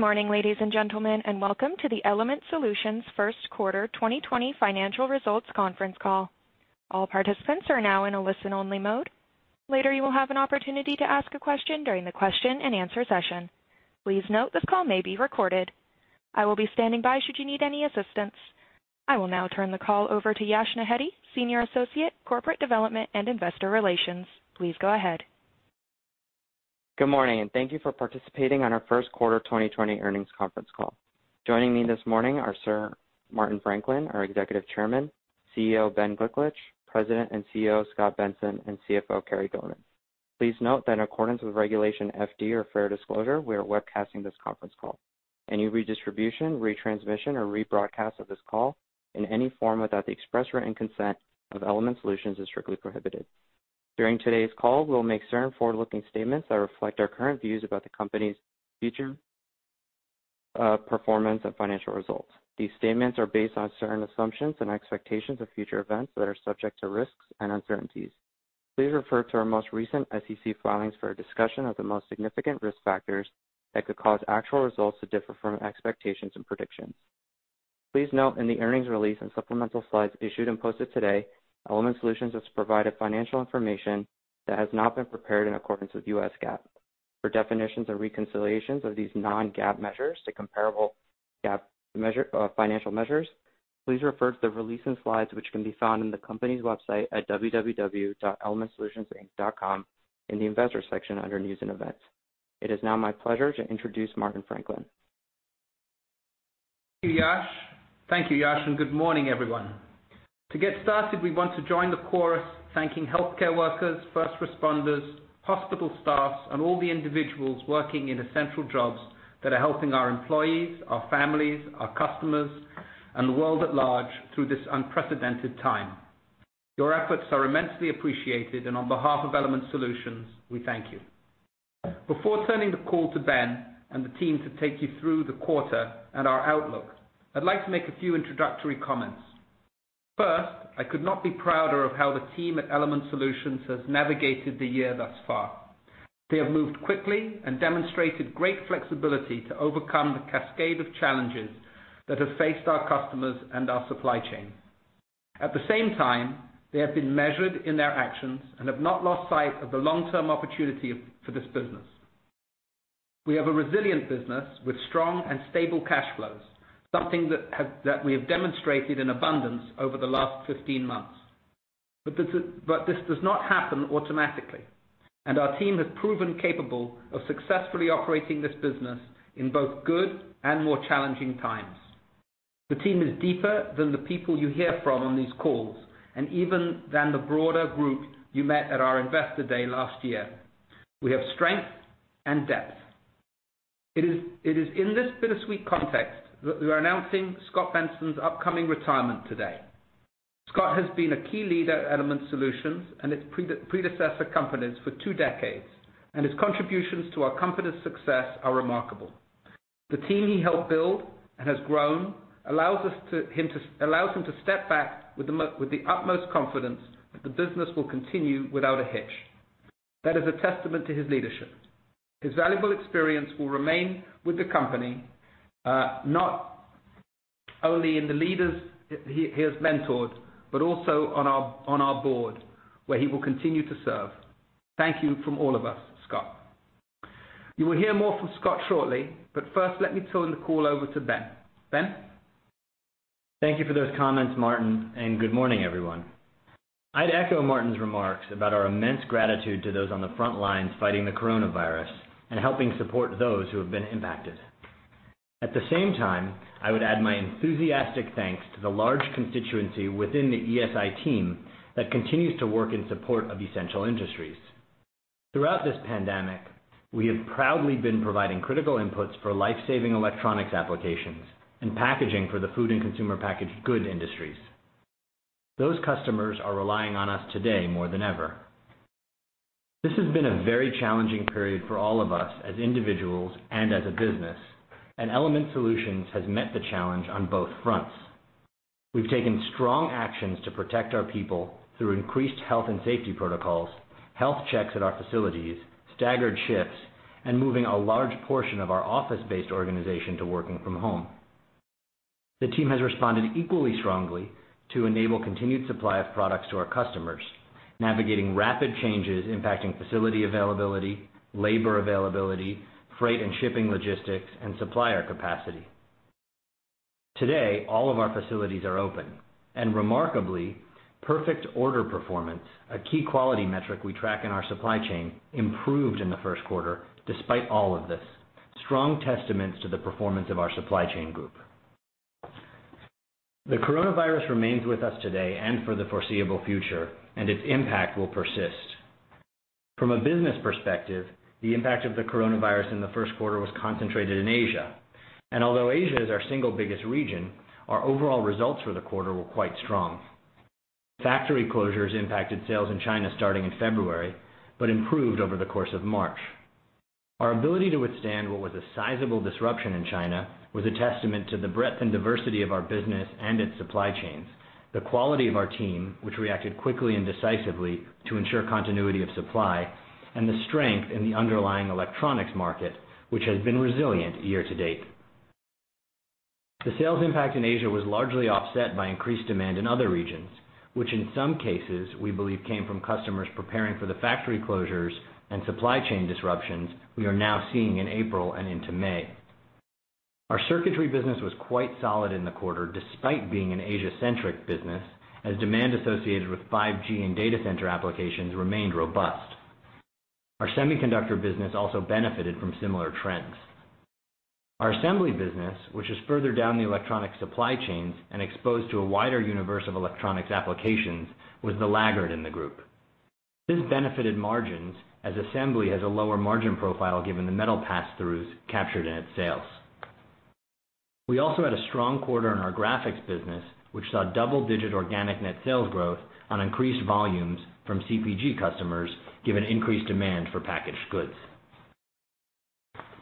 Morning, ladies and gentlemen, and welcome to the Element Solutions First Quarter 2020 Financial Results Conference Call. All participants are now in a listen-only mode. Later, you will have an opportunity to ask a question during the question-and-answer session. Please note, this call may be recorded. I will be standing by should you need any assistance. I will now turn the call over to Yash Nehete, Senior Associate, Corporate Development and Investor Relations. Please go ahead. Good morning, and thank you for participating on our First Quarter 2020 Earnings Conference Call. Joining me this morning are Martin Franklin, our Executive Chairman, CEO Ben Gliklich, President and COO Scot Benson, and CFO Carey Dorman. Please note that in accordance with Regulation FD, or fair disclosure, we are webcasting this conference call. Any redistribution, retransmission, or rebroadcast of this call in any form without the express written consent of Element Solutions is strictly prohibited. During today's call, we'll make certain forward-looking statements that reflect our current views about the company's future performance and financial results. These statements are based on certain assumptions and expectations of future events that are subject to risks and uncertainties. Please refer to our most recent SEC filings for a discussion of the most significant risk factors that could cause actual results to differ from expectations and predictions. Please note in the earnings release and supplemental slides issued and posted today, Element Solutions has provided financial information that has not been prepared in accordance with U.S. GAAP. For definitions or reconciliations of these non-GAAP measures to comparable GAAP financial measures, please refer to the release and slides which can be found on the company's website at www.elementsolutionsinc.com in the Investors section under News and Events. It is now my pleasure to introduce Martin Franklin. Thank you, Yash. Good morning, everyone. To get started, we want to join the chorus thanking healthcare workers, first responders, hospital staffs, and all the individuals working in essential jobs that are helping our employees, our families, our customers, and the world at large through this unprecedented time. Your efforts are immensely appreciated, and on behalf of Element Solutions, we thank you. Before turning the call to Ben and the team to take you through the quarter and our outlook, I'd like to make a few introductory comments. First, I could not be prouder of how the team at Element Solutions has navigated the year thus far. They have moved quickly and demonstrated great flexibility to overcome the cascade of challenges that have faced our customers and our supply chain. At the same time, they have been measured in their actions and have not lost sight of the long-term opportunity for this business. We have a resilient business with strong and stable cash flows, that we have demonstrated in abundance over the last 15 months. This does not happen automatically, and our team has proven capable of successfully operating this business in both good and more challenging times. The team is deeper than the people you hear from on these calls, and even than the broader group you met at our investor day last year. We have strength and depth. It is in this bittersweet context that we are announcing Scot Benson's upcoming retirement today. Scot has been a key leader at Element Solutions and its predecessor companies for two decades, and his contributions to our company's success are remarkable. The team he helped build and has grown allows him to step back with the utmost confidence that the business will continue without a hitch. That is a testament to his leadership. His valuable experience will remain with the company, not only in the leaders he has mentored, but also on our board, where he will continue to serve. Thank you from all of us, Scot. You will hear more from Scot shortly, but first let me turn the call over to Ben. Ben? Thank you for those comments, Martin, and good morning, everyone. I'd echo Martin's remarks about our immense gratitude to those on the front lines fighting the coronavirus and helping support those who have been impacted. At the same time, I would add my enthusiastic thanks to the large constituency within the ESI team that continues to work in support of essential industries. Throughout this pandemic, we have proudly been providing critical inputs for life-saving electronics applications and packaging for the food and consumer packaged good industries. Those customers are relying on us today more than ever. This has been a very challenging period for all of us as individuals and as a business, and Element Solutions has met the challenge on both fronts. We've taken strong actions to protect our people through increased health and safety protocols, health checks at our facilities, staggered shifts, and moving a large portion of our office-based organization to working from home. The team has responded equally strongly to enable continued supply of products to our customers, navigating rapid changes impacting facility availability, labor availability, freight and shipping logistics, and supplier capacity. Today, all of our facilities are open, and remarkably, perfect order performance, a key quality metric we track in our supply chain, improved in the first quarter despite all of this. Strong testaments to the performance of our supply chain group. The coronavirus remains with us today and for the foreseeable future, and its impact will persist. From a business perspective, the impact of the coronavirus in the first quarter was concentrated in Asia. Although Asia is our single biggest region, our overall results for the quarter were quite strong. Factory closures impacted sales in China starting in February. Improved over the course of March. Our ability to withstand what was a sizable disruption in China was a testament to the breadth and diversity of our business and its supply chains, the quality of our team, which reacted quickly and decisively to ensure continuity of supply, and the strength in the underlying electronics market, which has been resilient year-to-date. The sales impact in Asia was largely offset by increased demand in other regions, which in some cases, we believe came from customers preparing for the factory closures and supply chain disruptions we are now seeing in April and into May. Our circuitry business was quite solid in the quarter, despite being an Asia-centric business, as demand associated with 5G and data center applications remained robust. Our semiconductor business also benefited from similar trends. Our assembly business, which is further down the electronic supply chains and exposed to a wider universe of electronics applications, was the laggard in the group. This benefited margins as assembly has a lower margin profile given the metal passthroughs captured in its sales. We also had a strong quarter in our graphics business, which saw double-digit organic net sales growth on increased volumes from CPG customers, given increased demand for packaged goods.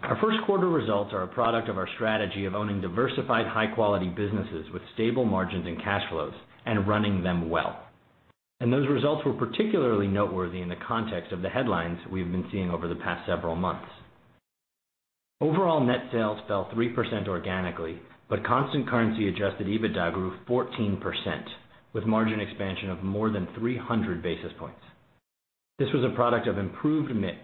Our first quarter results are a product of our strategy of owning diversified, high-quality businesses with stable margins and cash flows, and running them well. Those results were particularly noteworthy in the context of the headlines we've been seeing over the past several months. Overall net sales fell 3% organically, but constant currency adjusted EBITDA grew 14%, with margin expansion of more than 300 basis points. This was a product of improved mix,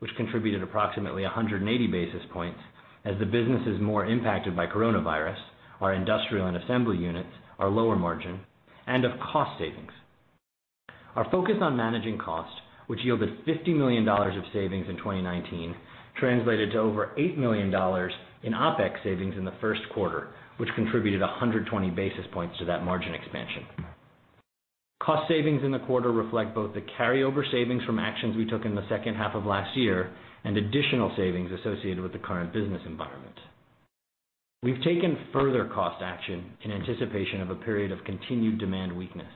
which contributed approximately 180 basis points as the business is more impacted by coronavirus, our industrial and assembly units are lower margin, and of cost savings. Our focus on managing cost, which yielded $50 million of savings in 2019, translated to over $8 million in OPEX savings in the first quarter, which contributed 120 basis points to that margin expansion. Cost savings in the quarter reflect both the carryover savings from actions we took in the second half of last year, and additional savings associated with the current business environment. We've taken further cost action in anticipation of a period of continued demand weakness,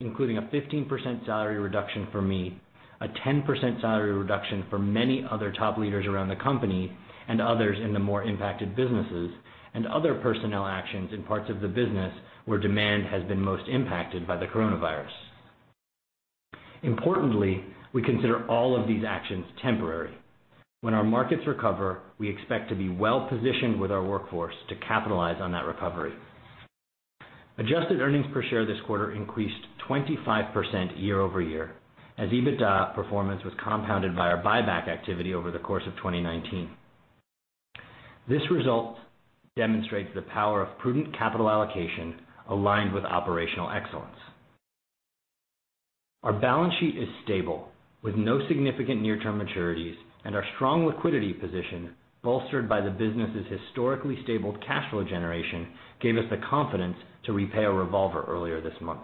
including a 15% salary reduction for me, a 10% salary reduction for many other top leaders around the company, and others in the more impacted businesses, and other personnel actions in parts of the business where demand has been most impacted by the coronavirus. Importantly, we consider all of these actions temporary. When our markets recover, we expect to be well-positioned with our workforce to capitalize on that recovery. Adjusted earnings per share this quarter increased 25% year-over-year, as EBITDA performance was compounded by our buyback activity over the course of 2019. This result demonstrates the power of prudent capital allocation aligned with operational excellence. Our balance sheet is stable, with no significant near-term maturities, and our strong liquidity position bolstered by the business's historically stable cash flow generation, gave us the confidence to repay a revolver earlier this month.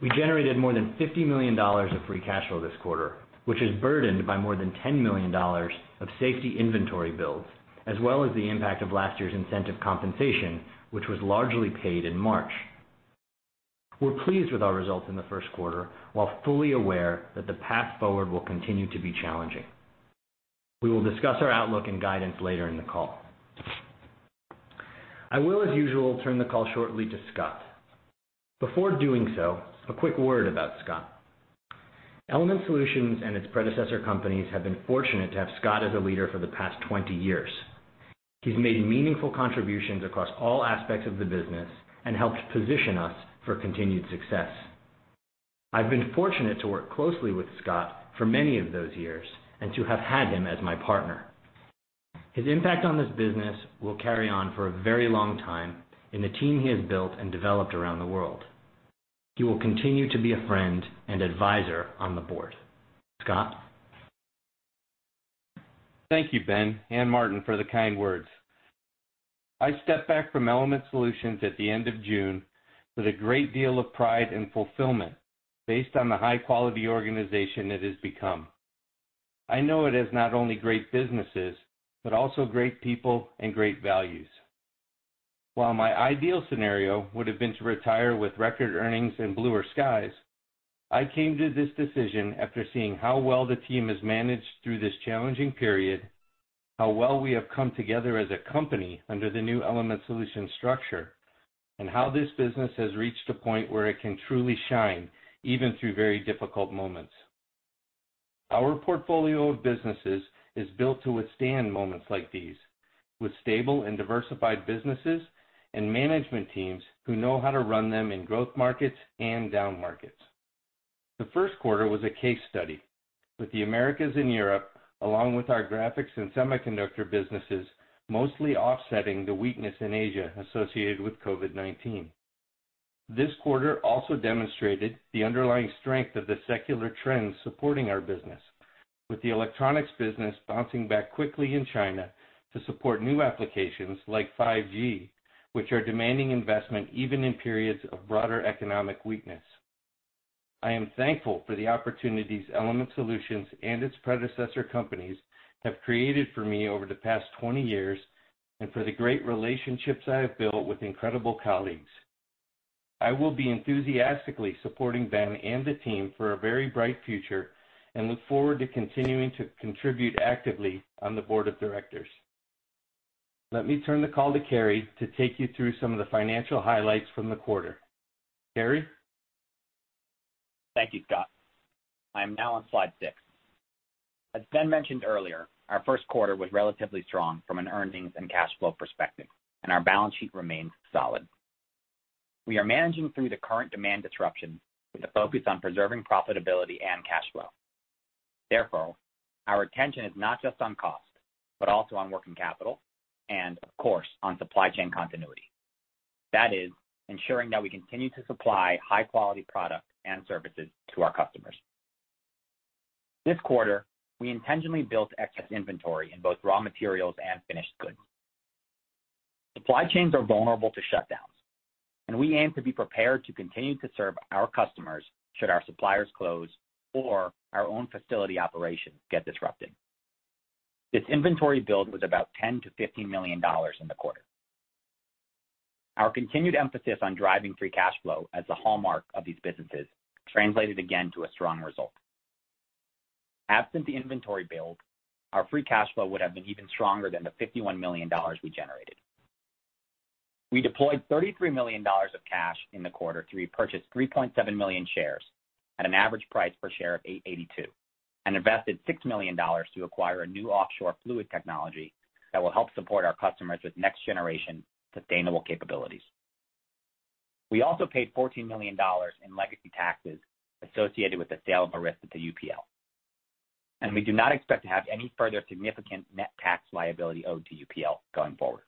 We generated more than $50 million of free cash flow this quarter, which is burdened by more than $10 million of safety inventory builds, as well as the impact of last year's incentive compensation, which was largely paid in March. We're pleased with our results in the first quarter while fully aware that the path forward will continue to be challenging. We will discuss our outlook and guidance later in the call. I will, as usual, turn the call shortly to Scot. Before doing so, a quick word about Scot. Element Solutions and its predecessor companies have been fortunate to have Scot as a leader for the past 20 years. He's made meaningful contributions across all aspects of the business and helped position us for continued success. I've been fortunate to work closely with Scot for many of those years and to have had him as my partner. His impact on this business will carry on for a very long time in the team he has built and developed around the world. He will continue to be a friend and advisor on the board. Scot? Thank you, Ben and Martin for the kind words. I step back from Element Solutions at the end of June with a great deal of pride and fulfillment based on the high-quality organization it has become. I know it has not only great businesses, but also great people and great values. While my ideal scenario would have been to retire with record earnings and bluer skies, I came to this decision after seeing how well the team has managed through this challenging period, how well we have come together as a company under the new Element Solutions structure, and how this business has reached a point where it can truly shine even through very difficult moments. Our portfolio of businesses is built to withstand moments like these with stable and diversified businesses and management teams who know how to run them in growth markets and down markets. The first quarter was a case study with the Americas and Europe, along with our graphics and semiconductor businesses, mostly offsetting the weakness in Asia associated with COVID-19. This quarter also demonstrated the underlying strength of the secular trends supporting our business with the electronics business bouncing back quickly in China to support new applications like 5G, which are demanding investment even in periods of broader economic weakness. I am thankful for the opportunities Element Solutions and its predecessor companies have created for me over the past 20 years, and for the great relationships I have built with incredible colleagues. I will be enthusiastically supporting Ben and the team for a very bright future and look forward to continuing to contribute actively on the board of directors. Let me turn the call to Carey to take you through some of the financial highlights from the quarter. Carey? Thank you, Scot. I am now on slide six. As Ben mentioned earlier, our first quarter was relatively strong from an earnings and cash flow perspective, and our balance sheet remains solid. We are managing through the current demand disruption with a focus on preserving profitability and cash flow. Therefore, our attention is not just on cost, but also on working capital and, of course, on supply chain continuity. That is ensuring that we continue to supply high-quality product and services to our customers. This quarter, we intentionally built excess inventory in both raw materials and finished goods. Supply chains are vulnerable to shutdowns, and we aim to be prepared to continue to serve our customers should our suppliers close or our own facility operations get disrupted. This inventory build was about $10 million-$15 million in the quarter. Our continued emphasis on driving free cash flow as the hallmark of these businesses translated again to a strong result. Absent the inventory build, our free cash flow would have been even stronger than the $51 million we generated. We deployed $33 million of cash in the quarter to repurchase 3.7 million shares at an average price per share of $8.82, and invested $6 million to acquire a new offshore fluid technology that will help support our customers with next-generation sustainable capabilities. We also paid $14 million in legacy taxes associated with the sale of Arysta to UPL. We do not expect to have any further significant net tax liability owed to UPL going forward.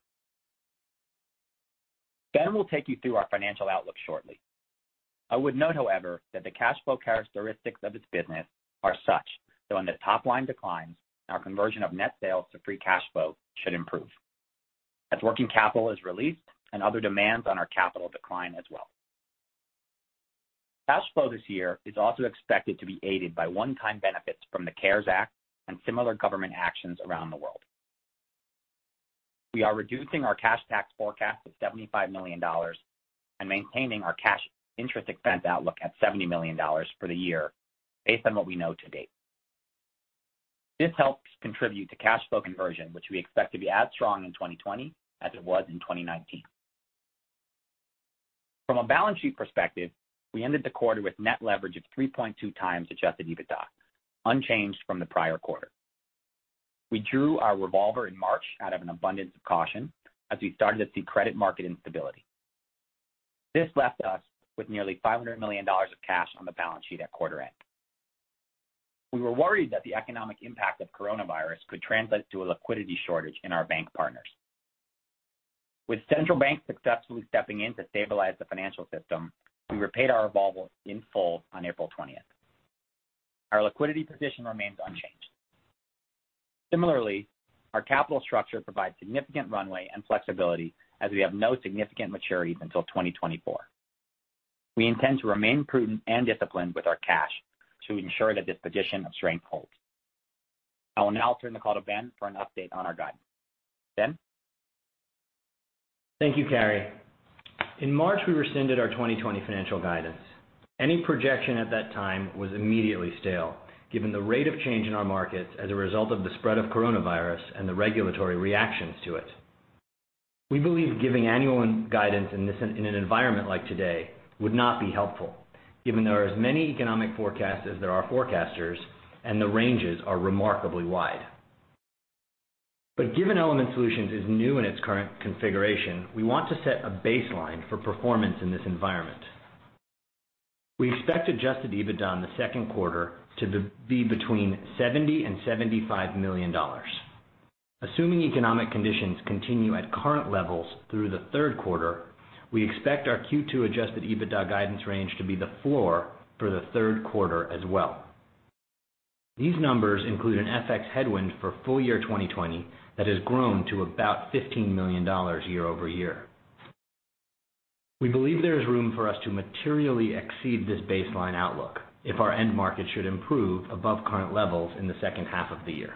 Ben will take you through our financial outlook shortly. I would note, however, that the cash flow characteristics of this business are such that when the top line declines, our conversion of net sales to free cash flow should improve as working capital is released and other demands on our capital decline as well. Cash flow this year is also expected to be aided by one-time benefits from the CARES Act and similar government actions around the world. We are reducing our cash tax forecast of $75 million and maintaining our cash interest expense outlook at $70 million for the year based on what we know to date. This helps contribute to cash flow conversion, which we expect to be as strong in 2020 as it was in 2019. From a balance sheet perspective, we ended the quarter with net leverage of 3.2x adjusted EBITDA, unchanged from the prior quarter. We drew our revolver in March out of an abundance of caution as we started to see credit market instability. This left us with nearly $500 million of cash on the balance sheet at quarter end. We were worried that the economic impact of coronavirus could translate to a liquidity shortage in our bank partners. With central banks successfully stepping in to stabilize the financial system, we repaid our revolver in full on April 20th. Our liquidity position remains unchanged. Similarly, our capital structure provides significant runway and flexibility as we have no significant maturities until 2024. We intend to remain prudent and disciplined with our cash to ensure that this position of strength holds. I will now turn the call to Ben for an update on our guidance. Ben? Thank you, Carey. In March, we rescinded our 2020 financial guidance. Any projection at that time was immediately stale, given the rate of change in our markets as a result of the spread of COVID-19 and the regulatory reactions to it. We believe giving annual guidance in an environment like today would not be helpful, given there are as many economic forecasts as there are forecasters and the ranges are remarkably wide. Given Element Solutions is new in its current configuration, we want to set a baseline for performance in this environment. We expect adjusted EBITDA in the second quarter to be between $70 million and $75 million. Assuming economic conditions continue at current levels through the third quarter, we expect our Q2 adjusted EBITDA guidance range to be the floor for the third quarter as well. These numbers include an FX headwind for full year 2020 that has grown to about $15 million year-over-year. We believe there is room for us to materially exceed this baseline outlook if our end market should improve above current levels in the second half of the year.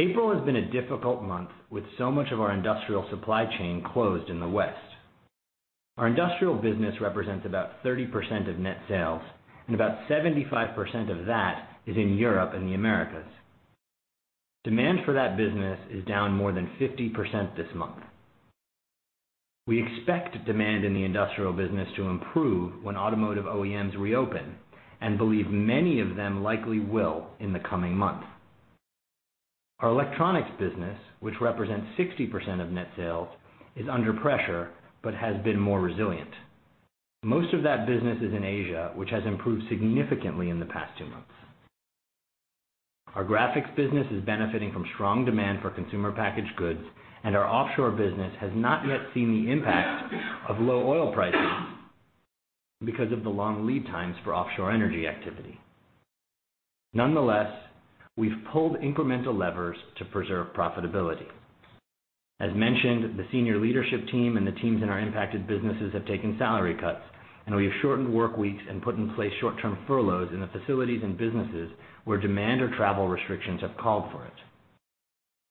April has been a difficult month with so much of our industrial supply chain closed in the West. Our industrial business represents about 30% of net sales, and about 75% of that is in Europe and the Americas. Demand for that business is down more than 50% this month. We expect demand in the industrial business to improve when automotive OEMs reopen and believe many of them likely will in the coming months. Our electronics business, which represents 60% of net sales, is under pressure, but has been more resilient. Most of that business is in Asia, which has improved significantly in the past two months. Our graphics business is benefiting from strong demand for consumer packaged goods, and our offshore business has not yet seen the impact of low oil prices because of the long lead times for offshore energy activity. Nonetheless, we've pulled incremental levers to preserve profitability. As mentioned, the senior leadership team and the teams in our impacted businesses have taken salary cuts, and we have shortened work weeks and put in place short-term furloughs in the facilities and businesses where demand or travel restrictions have called for it.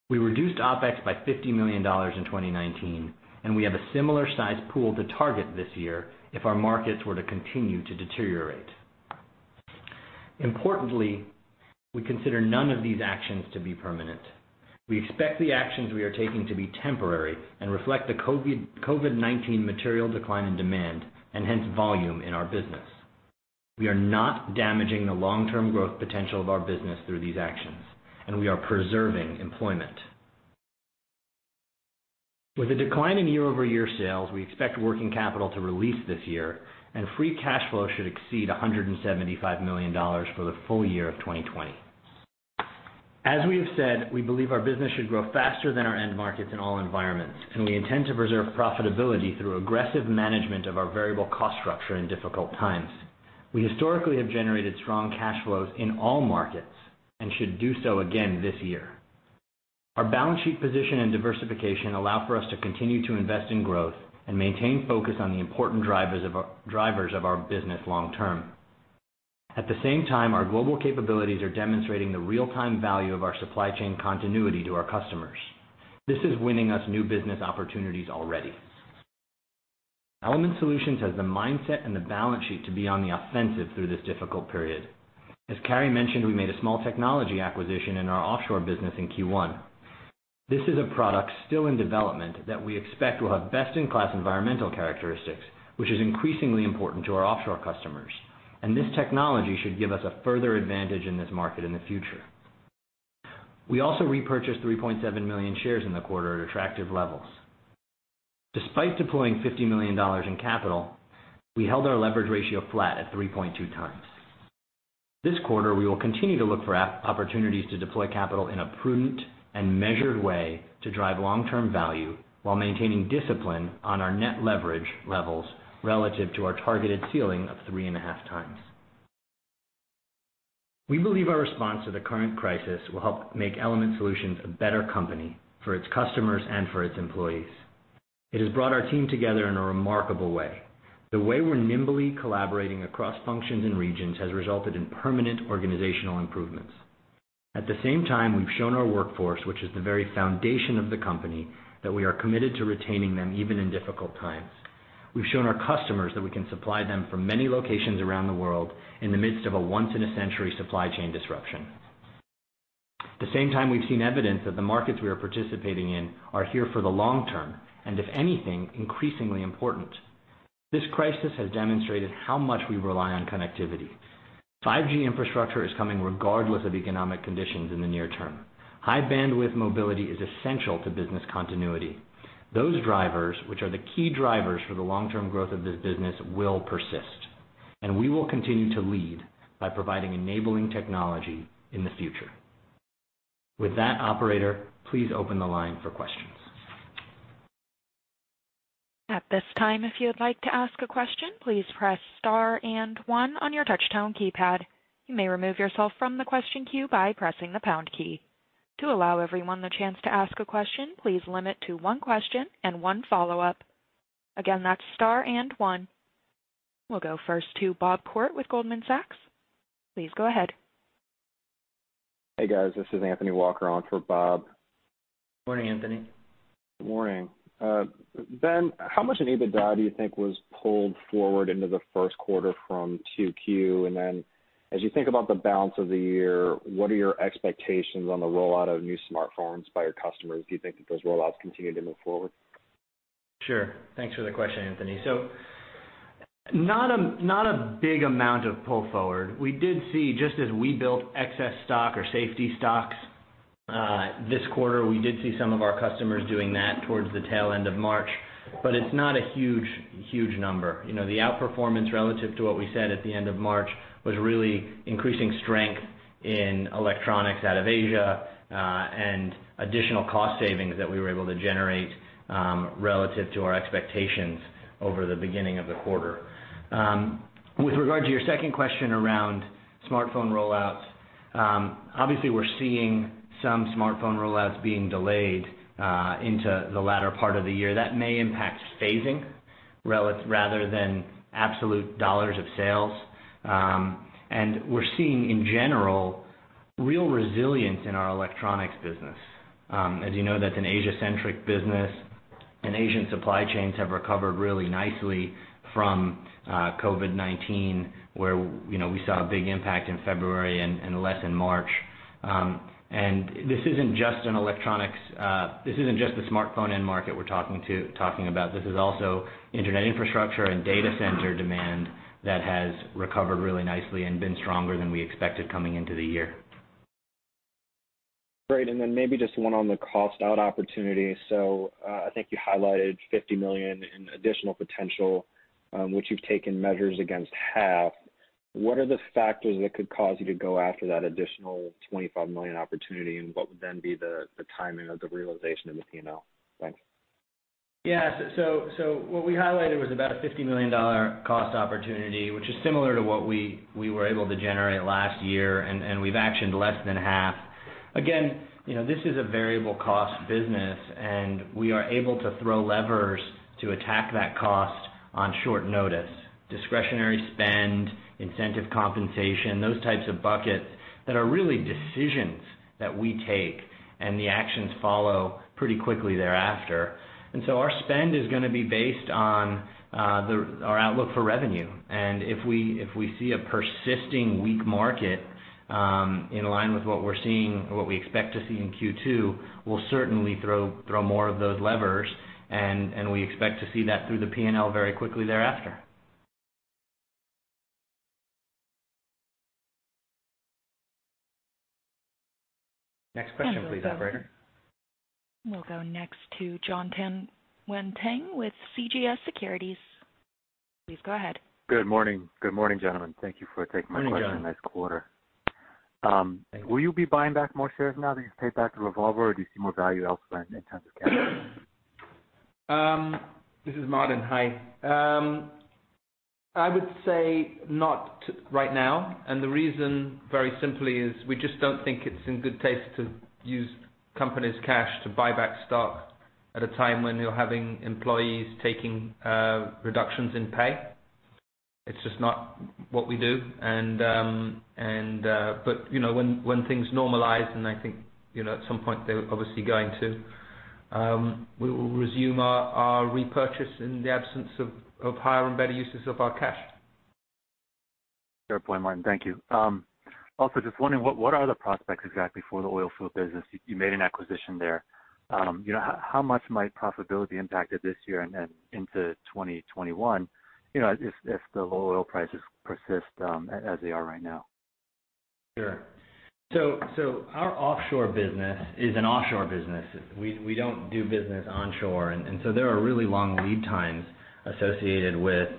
We reduced OPEX by $50 million in 2019, and we have a similar size pool to target this year if our markets were to continue to deteriorate. Importantly, we consider none of these actions to be permanent. We expect the actions we are taking to be temporary and reflect the COVID-19 material decline in demand, and hence volume in our business. We are not damaging the long-term growth potential of our business through these actions, and we are preserving employment. With a decline in year-over-year sales, we expect working capital to release this year, and free cash flow should exceed $175 million for the full year of 2020. As we have said, we believe our business should grow faster than our end markets in all environments, and we intend to preserve profitability through aggressive management of our variable cost structure in difficult times. We historically have generated strong cash flows in all markets and should do so again this year. Our balance sheet position and diversification allow for us to continue to invest in growth and maintain focus on the important drivers of our business long term. At the same time, our global capabilities are demonstrating the real-time value of our supply chain continuity to our customers. This is winning us new business opportunities already. Element Solutions has the mindset and the balance sheet to be on the offensive through this difficult period. As Carey mentioned, we made a small technology acquisition in our offshore business in Q1. This is a product still in development that we expect will have best-in-class environmental characteristics, which is increasingly important to our offshore customers. This technology should give us a further advantage in this market in the future. We also repurchased 3.7 million shares in the quarter at attractive levels. Despite deploying $50 million in capital, we held our leverage ratio flat at 3.2x. This quarter, we will continue to look for opportunities to deploy capital in a prudent and measured way to drive long-term value while maintaining discipline on our net leverage levels relative to our targeted ceiling of 3.5x. We believe our response to the current crisis will help make Element Solutions a better company for its customers and for its employees. It has brought our team together in a remarkable way. The way we're nimbly collaborating across functions and regions has resulted in permanent organizational improvements. At the same time, we've shown our workforce, which is the very foundation of the company, that we are committed to retaining them even in difficult times. We've shown our customers that we can supply them from many locations around the world in the midst of a once-in-a-century supply chain disruption. At the same time, we've seen evidence that the markets we are participating in are here for the long term, and if anything, increasingly important. This crisis has demonstrated how much we rely on connectivity. 5G infrastructure is coming regardless of economic conditions in the near term. High bandwidth mobility is essential to business continuity. Those drivers, which are the key drivers for the long-term growth of this business, will persist, and we will continue to lead by providing enabling technology in the future. With that, operator, please open the line for questions. At this time, if you would like to ask a question, please press star and one on your touch tone keypad. You may remove yourself from the question queue by pressing the pound key. To allow everyone the chance to ask a question, please limit to one question and one follow-up. Again, that's star and one. We'll go first to Bob Koort with Goldman Sachs. Please go ahead. Hey, guys. This is Anthony Walker on for Bob. Morning, Anthony. Morning. Ben, how much of EBITDA do you think was pulled forward into the first quarter from 2Q? as you think about the balance of the year, what are your expectations on the rollout of new smartphones by your customers? Do you think that those rollouts continue to move forward? Sure. Thanks for the question, Anthony. Not a big amount of pull forward. We did see, just as we built excess stock or safety stocks, this quarter, we did see some of our customers doing that towards the tail end of March, but it's not a huge number. The outperformance relative to what we said at the end of March was really increasing strength in electronics out of Asia, and additional cost savings that we were able to generate, relative to our expectations over the beginning of the quarter. With regard to your second question around smartphone rollouts, obviously we're seeing some smartphone rollouts being delayed into the latter part of the year. That may impact phasing rather than absolute dollars of sales. We're seeing, in general, real resilience in our electronics business. As you know, that's an Asia-centric business, and Asian supply chains have recovered really nicely from COVID-19, where we saw a big impact in February and less in March. This isn't just the smartphone end market we're talking about. This is also internet infrastructure and data center demand that has recovered really nicely and been stronger than we expected coming into the year. Great. maybe just one on the cost out opportunity. I think you highlighted $50 million in additional potential, which you've taken measures against half. What are the factors that could cause you to go after that additional $25 million opportunity, and what would then be the timing of the realization in the P&L? Thanks. Yeah. What we highlighted was about a $50 million cost opportunity, which is similar to what we were able to generate last year, and we've actioned less than half. Again, this is a variable cost business, and we are able to throw levers to attack that cost on short notice. Discretionary spend, incentive compensation, those types of buckets that are really decisions that we take, and the actions follow pretty quickly thereafter. Our spend is going to be based on our outlook for revenue. If we see a persisting weak market, in line with what we're seeing or what we expect to see in Q2, we'll certainly throw more of those levers, and we expect to see that through the P&L very quickly thereafter. We'll go next to Jon Tanwanteng with CJS Securities. Please go ahead. Good morning, gentlemen. Thank you for taking my call. Good morning, Jon. Nice quarter. Will you be buying back more shares now that you've paid back the revolver, or do you see more value elsewhere in terms of cash? This is Martin. Hi. I would say not right now. The reason, very simply, is we just don't think it's in good taste to use company's cash to buy back stock at a time when you're having employees taking reductions in pay. It's just not what we do. When things normalize, and I think at some point they're obviously going to, we will resume our repurchase in the absence of higher and better uses of our cash. Fair point, Martin. Thank you. Also, just wondering, what are the prospects exactly for the oil field business? You made an acquisition there. How much might profitability impacted this year and then into 2021, if the low oil prices persist as they are right now? Sure. Our offshore business is an offshore business. We don't do business onshore, and so there are really long lead times associated with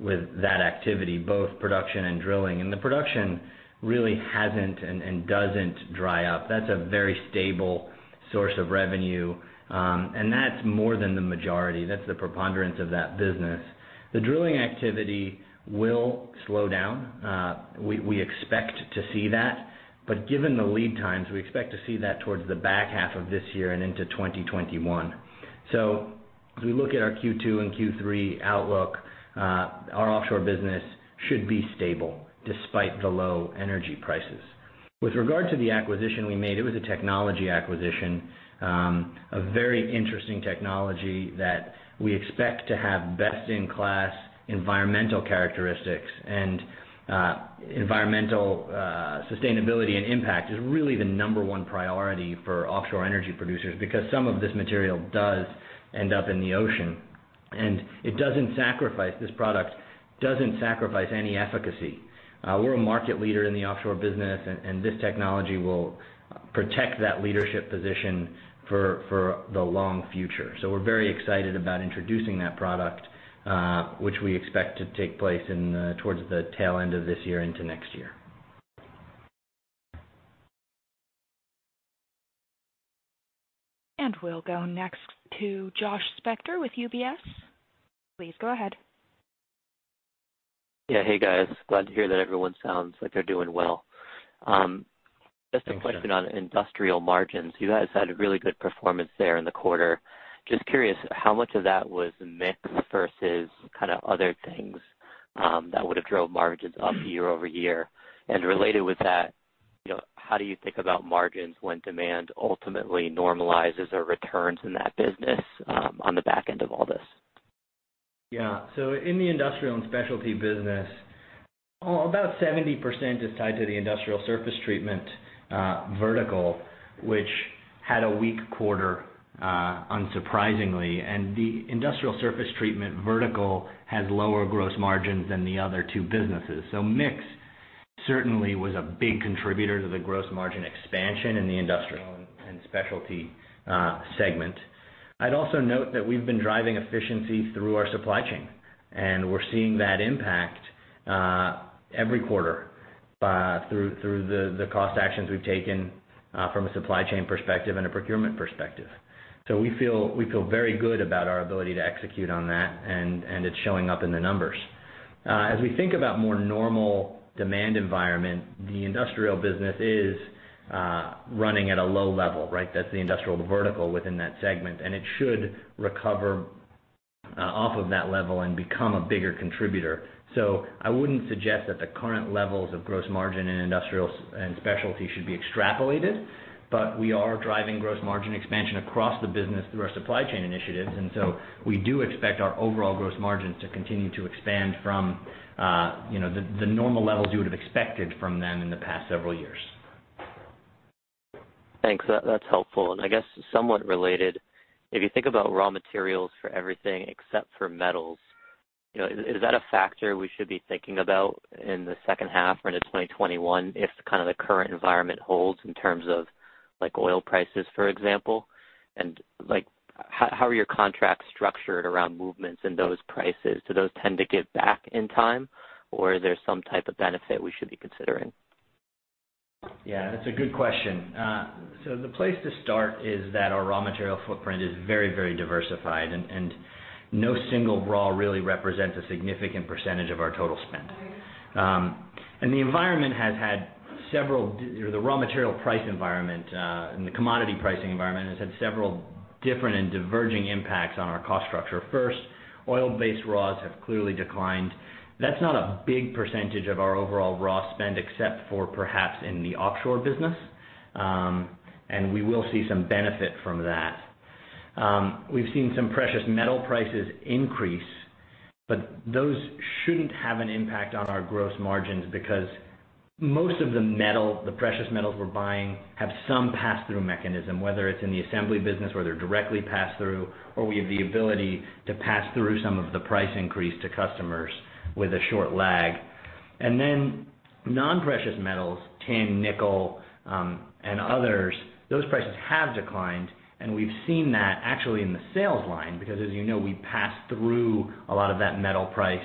that activity, both production and drilling. The production really hasn't and doesn't dry up. That's a very stable source of revenue. That's more than the majority. That's the preponderance of that business. The drilling activity will slow down. We expect to see that, but given the lead times, we expect to see that towards the back half of this year and into 2021. As we look at our Q2 and Q3 outlook, our offshore business should be stable despite the low energy prices. With regard to the acquisition we made, it was a technology acquisition. A very interesting technology that we expect to have best in class environmental characteristics and environmental sustainability, and impact is really the number one priority for offshore energy producers because some of this material does end up in the ocean. This product doesn't sacrifice any efficacy. We're a market leader in the offshore business, and this technology will protect that leadership position for the long future. We're very excited about introducing that product, which we expect to take place towards the tail end of this year into next year. We'll go next to Josh Spector with UBS. Please go ahead. Yeah. Hey, guys. Glad to hear that everyone sounds like they're doing well. Thanks, Josh. Just a question on industrial margins. You guys had a really good performance there in the quarter. Just curious how much of that was mix versus other things that would have drove margins up year-over-year. Related with that, how do you think about margins when demand ultimately normalizes or returns in that business on the back end of all this? Yeah. In the industrial and specialty business, about 70% is tied to the industrial surface treatment vertical, which had a weak quarter, unsurprisingly. The industrial surface treatment vertical has lower gross margins than the other two businesses. Mix certainly was a big contributor to the gross margin expansion in the industrial and specialty segment. I'd also note that we've been driving efficiencies through our supply chain, and we're seeing that impact every quarter through the cost actions we've taken from a supply chain perspective and a procurement perspective. We feel very good about our ability to execute on that, and it's showing up in the numbers. As we think about more normal demand environment, the industrial business is running at a low level, right? That's the industrial vertical within that segment, and it should recover off of that level and become a bigger contributor. I wouldn't suggest that the current levels of gross margin in industrials and specialty should be extrapolated, but we are driving gross margin expansion across the business through our supply chain initiatives. We do expect our overall gross margins to continue to expand from the normal levels you would have expected from them in the past several years. Thanks. That's helpful. I guess somewhat related, if you think about raw materials for everything except for metals, is that a factor we should be thinking about in the second half or into 2021 if the current environment holds in terms of oil prices, for example? How are your contracts structured around movements in those prices? Do those tend to give back in time, or is there some type of benefit we should be considering? Yeah, that's a good question. The place to start is that our raw material footprint is very diversified, and no single raw really represents a significant percentage of our total spend. The raw material price environment, and the commodity pricing environment has had several different and diverging impacts on our cost structure. First, oil based raws have clearly declined. That's not a big percentage of our overall raw spend except for perhaps in the offshore business. We will see some benefit from that. We've seen some precious metal prices increase, but those shouldn't have an impact on our gross margins because most of the precious metals we're buying have some pass through mechanism, whether it's in the assembly business where they're directly passed through, or we have the ability to pass through some of the price increase to customers with a short lag. Non-precious metals, tin, nickel, and others, those prices have declined, and we've seen that actually in the sales line because as you know, we pass through a lot of that metal price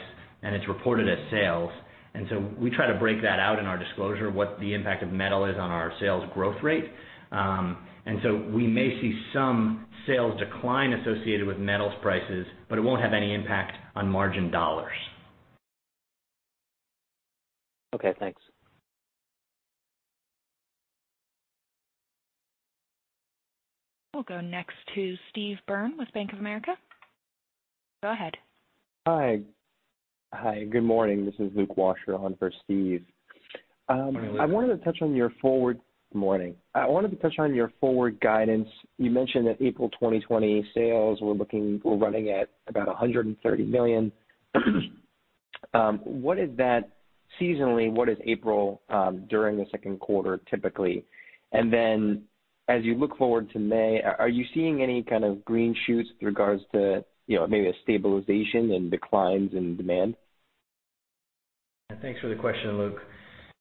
and it's reported as sales. We try to break that out in our disclosure, what the impact of metal is on our sales growth rate. We may see some sales decline associated with metals prices, but it won't have any impact on margin dollars. Okay, thanks. We'll go next to Steve Byrne with Bank of America. Go ahead. Hi. Good morning. This is Luke Washer on for Steve. Good morning, Luke. Morning. I wanted to touch on your forward guidance. You mentioned that April 2020 sales were running at about $130 million. Seasonally, what is April during the second quarter typically? as you look forward to May, are you seeing any kind of green shoots with regards to maybe a stabilization in declines in demand? Thanks for the question, Luke.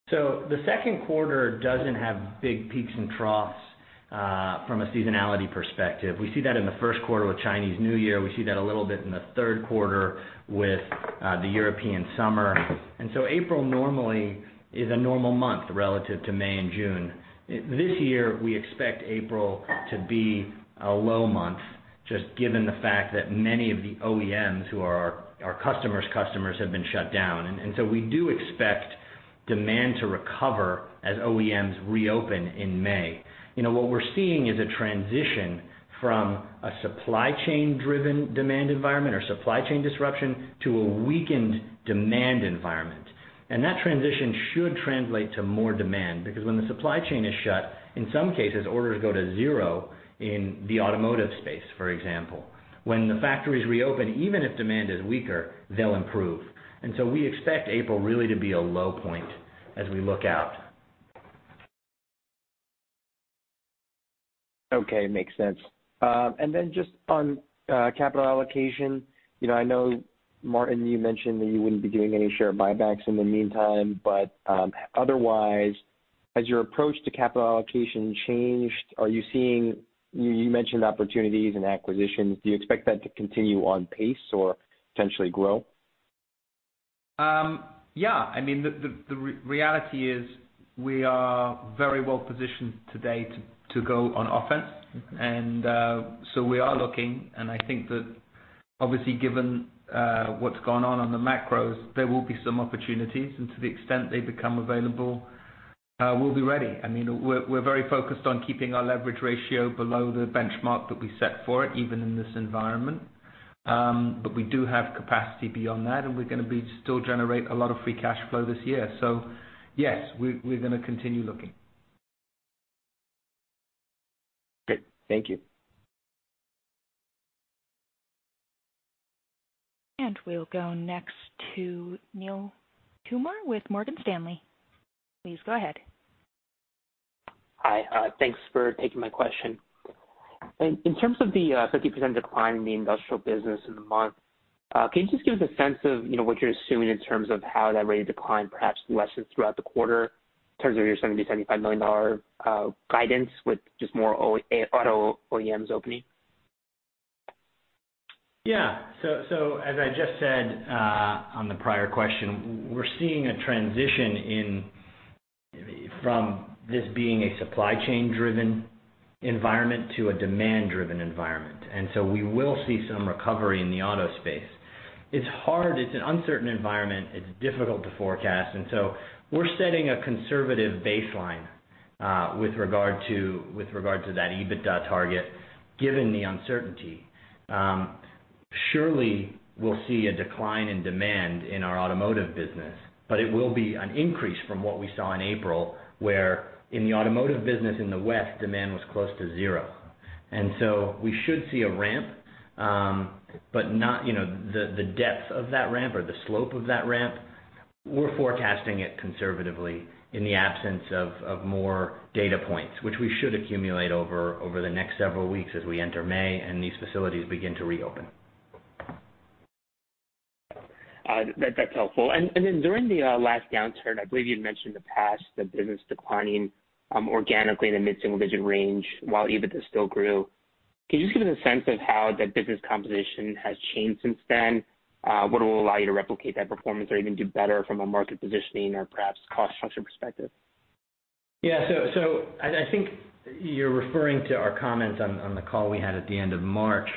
The second quarter doesn't have big peaks and troughs from a seasonality perspective. We see that in the first quarter with Chinese New Year. We see that a little bit in the third quarter with the European summer. April normally is a normal month relative to May and June. This year, we expect April to be a low month, just given the fact that many of the OEMs who are our customers' customers have been shut down. We do expect demand to recover as OEMs reopen in May. What we're seeing is a transition from a supply chain driven demand environment or supply chain disruption to a weakened demand environment. That transition should translate to more demand because when the supply chain is shut, in some cases, orders go to zero in the automotive space, for example. When the factories reopen, even if demand is weaker, they'll improve. We expect April really to be a low point as we look out. Okay, makes sense. Just on capital allocation. I know, Martin, you mentioned that you wouldn't be doing any share buybacks in the meantime, but otherwise, has your approach to capital allocation changed? You mentioned opportunities and acquisitions. Do you expect that to continue on pace or potentially grow? Yeah. The reality is we are very well positioned today to go on offense. We are looking, and I think that obviously given what's gone on on the macros, there will be some opportunities, and to the extent they become available, we'll be ready. We're very focused on keeping our leverage ratio below the benchmark that we set for it, even in this environment. We do have capacity beyond that, and we're gonna be still generate a lot of free cash flow this year. Yes, we're gonna continue looking. Great. Thank you. We'll go next to Neel Kumar with Morgan Stanley. Please go ahead. Hi. Thanks for taking my question. In terms of the 50% decline in the industrial business in the month, can you just give us a sense of what you're assuming in terms of how that rate of decline perhaps lessens throughout the quarter in terms of your $70 million-$75 million guidance with just more auto OEMs opening? Yeah. As I just said on the prior question, we're seeing a transition from this being a supply chain driven environment to a demand driven environment. We will see some recovery in the auto space. It's hard. It's an uncertain environment. It's difficult to forecast. We're setting a conservative baseline with regard to that EBITDA target, given the uncertainty. Surely we'll see a decline in demand in our automotive business, but it will be an increase from what we saw in April, where in the automotive business in the West, demand was close to zero. We should see a ramp, but the depth of that ramp or the slope of that ramp, we're forecasting it conservatively in the absence of more data points, which we should accumulate over the next several weeks as we enter May and these facilities begin to reopen. That's helpful. During the last downturn, I believe you'd mentioned in the past that business declining organically in the mid-single digit range while EBITDA still grew. Can you just give us a sense of how that business composition has changed since then? What will allow you to replicate that performance or even do better from a market positioning or perhaps cost structure perspective? Yeah. I think you're referring to our comments on the call we had at the end of March,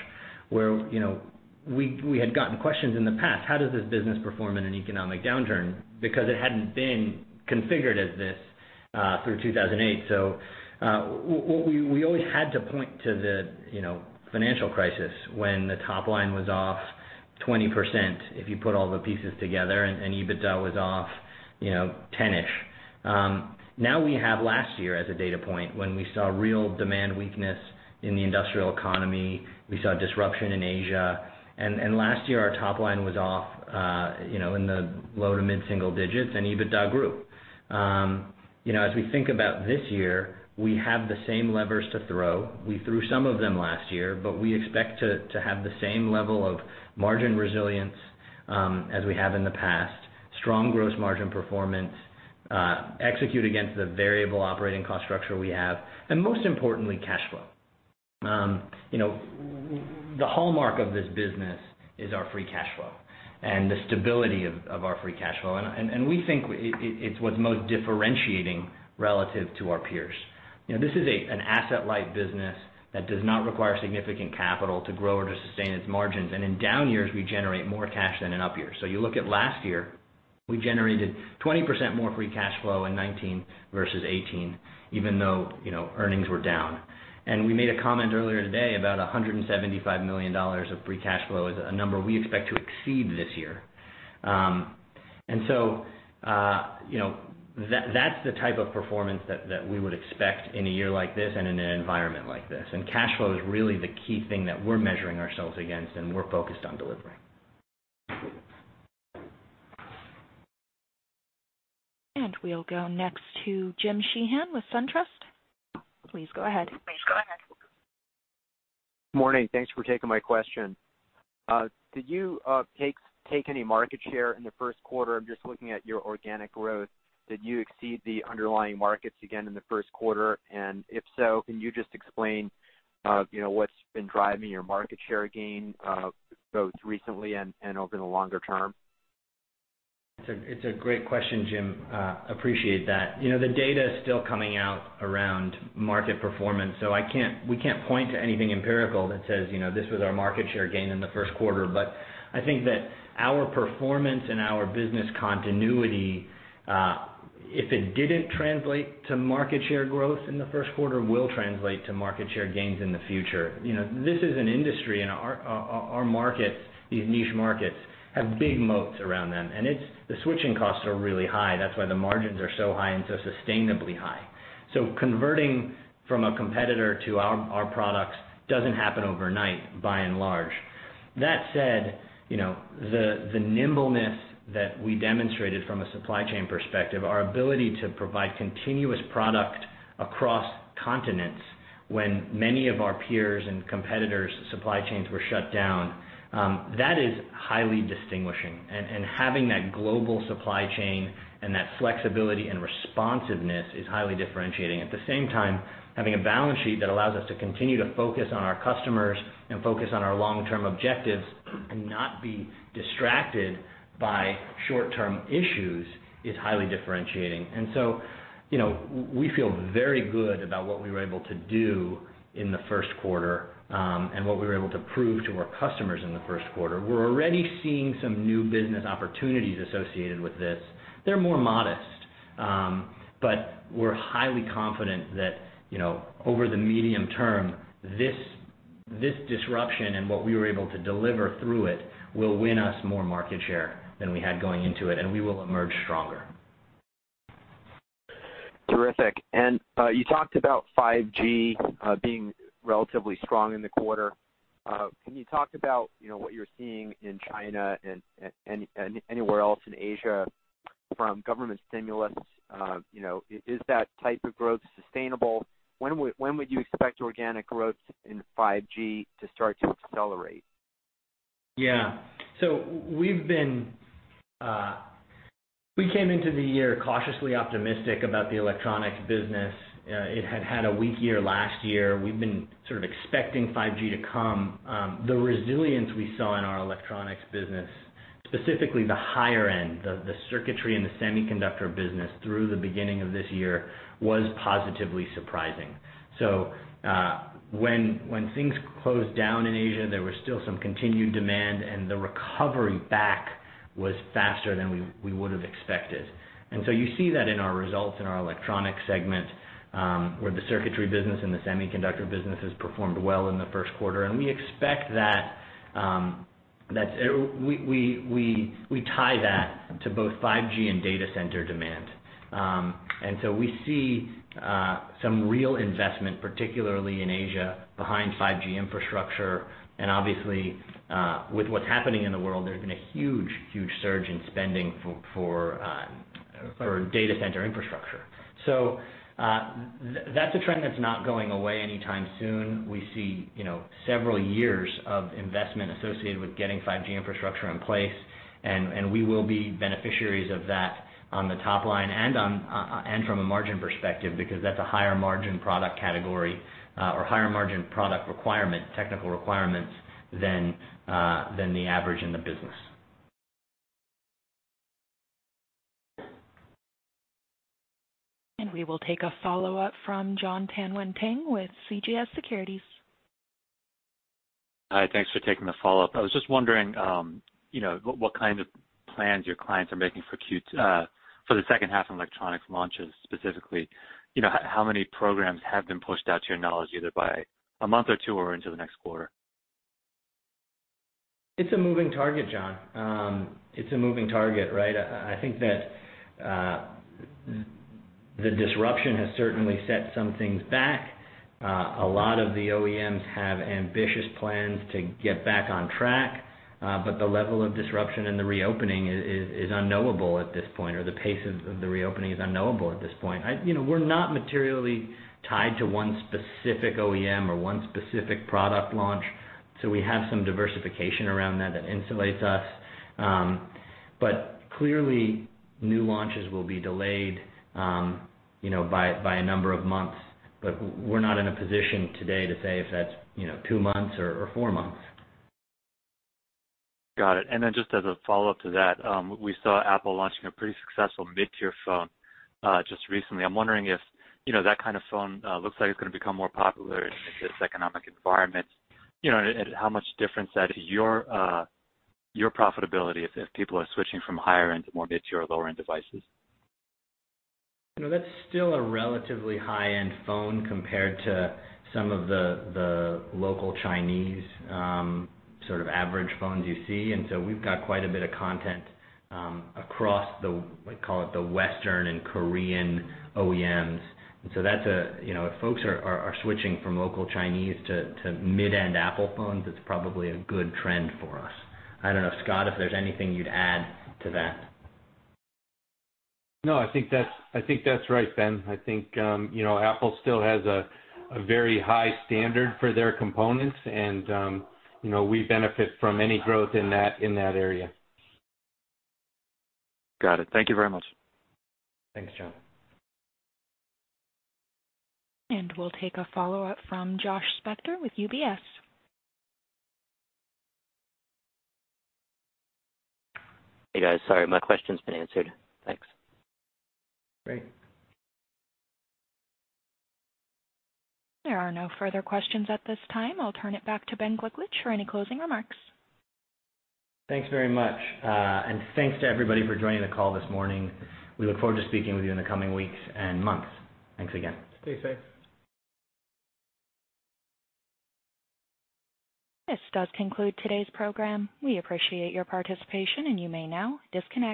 where we had gotten questions in the past, how does this business perform in an economic downturn? Because it hadn't been configured as this through 2008. We always had to point to the financial crisis when the top line was off 20%, if you put all the pieces together, and EBITDA was off 10-ish. Now we have last year as a data point when we saw real demand weakness in the industrial economy. We saw disruption in Asia. Last year our top line was off in the low to mid-single digits, and EBITDA grew. As we think about this year, we have the same levers to throw. We threw some of them last year, but we expect to have the same level of margin resilience as we have in the past, strong gross margin performance, execute against the variable operating cost structure we have, and most importantly, cash flow. The hallmark of this business is our free cash flow and the stability of our free cash flow, and we think it's what's most differentiating relative to our peers. This is an asset-light business that does not require significant capital to grow or to sustain its margins. In down years, we generate more cash than in up years. You look at last year, we generated 20% more free cash flow in 2019 versus 2018, even though earnings were down. We made a comment earlier today about $175 million of free cash flow is a number we expect to exceed this year. That's the type of performance that we would expect in a year like this and in an environment like this. Cash flow is really the key thing that we're measuring ourselves against and we're focused on delivering. We'll go next to Jim Sheehan with SunTrust. Please go ahead. Morning. Thanks for taking my question. Did you take any market share in the first quarter? I'm just looking at your organic growth. Did you exceed the underlying markets again in the first quarter? If so, can you just explain what's been driving your market share gain, both recently and over the longer term? It's a great question, Jim. Appreciate that. The data is still coming out around market performance, so we can't point to anything empirical that says, "This was our market share gain in the first quarter." I think that our performance and our business continuity, if it didn't translate to market share growth in the first quarter, will translate to market share gains in the future. This is an industry, and our markets, these niche markets, have big moats around them. The switching costs are really high, that's why the margins are so high and so sustainably high. Converting from a competitor to our products doesn't happen overnight by and large. That said, the nimbleness that we demonstrated from a supply chain perspective, our ability to provide continuous product across continents when many of our peers' and competitors' supply chains were shut down, that is highly distinguishing. Having that global supply chain and that flexibility and responsiveness is highly differentiating. At the same time, having a balance sheet that allows us to continue to focus on our customers and focus on our long-term objectives and not be distracted by short-term issues is highly differentiating. We feel very good about what we were able to do in the first quarter, and what we were able to prove to our customers in the first quarter. We're already seeing some new business opportunities associated with this. They're more modest. We're highly confident that over the medium term, this disruption and what we were able to deliver through it will win us more market share than we had going into it, and we will emerge stronger. Terrific. You talked about 5G being relatively strong in the quarter. Can you talk about what you're seeing in China and anywhere else in Asia from government stimulus? Is that type of growth sustainable? When would you expect organic growth in 5G to start to accelerate? Yeah. We came into the year cautiously optimistic about the electronics business. It had had a weak year last year. We've been sort of expecting 5G to come. The resilience we saw in our electronics business, specifically the higher end, the circuitry and the semiconductor business through the beginning of this year, was positively surprising. When things closed down in Asia, there was still some continued demand, and the recovery back was faster than we would've expected. You see that in our results in our electronic segment, where the circuitry business and the semiconductor business has performed well in the first quarter. We tie that to both 5G and data center demand. We see some real investment, particularly in Asia, behind 5G infrastructure. Obviously, with what's happening in the world, there's been a huge surge in spending for data center infrastructure. That's a trend that's not going away anytime soon. We see several years of investment associated with getting 5G infrastructure in place, and we will be beneficiaries of that on the top line and from a margin perspective, because that's a higher margin product category, or higher margin product requirement, technical requirements than the average in the business. we will take a follow-up from Jon Tanwanteng with CJS Securities. Hi. Thanks for taking the follow-up. I was just wondering what kind of plans your clients are making for the second half in electronics launches specifically. How many programs have been pushed out to your knowledge, either by a month or two or into the next quarter? It's a moving target, Jon. It's a moving target, right? I think that the disruption has certainly set some things back. A lot of the OEMs have ambitious plans to get back on track, but the level of disruption in the reopening is unknowable at this point, or the pace of the reopening is unknowable at this point. We're not materially tied to one specific OEM or one specific product launch, so we have some diversification around that that insulates us. Clearly, new launches will be delayed by a number of months. We're not in a position today to say if that's two months or four months. Got it. Just as a follow-up to that, we saw Apple launching a pretty successful mid-tier phone just recently. I'm wondering if that kind of phone looks like it's going to become more popular in this economic environment, and how much difference that your profitability, if people are switching from higher-end to more mid-tier or lower-end devices? That's still a relatively high-end phone compared to some of the local Chinese sort of average phones you see. We've got quite a bit of content across the, we call it, the Western and Korean OEMs. If folks are switching from local Chinese to mid-end Apple phones, it's probably a good trend for us. I don't know, Scot, if there's anything you'd add to that. No, I think that's right, Ben. I think Apple still has a very high standard for their components, and we benefit from any growth in that area. Got it. Thank you very much. Thanks, Jon. We'll take a follow-up from Josh Spector with UBS. Hey, guys. Sorry, my question's been answered. Thanks. Great. There are no further questions at this time. I'll turn it back to Ben Gliklich for any closing remarks. Thanks very much. Thanks to everybody for joining the call this morning. We look forward to speaking with you in the coming weeks and months. Thanks again. Stay safe. This does conclude today's program. We appreciate your participation, and you may now disconnect.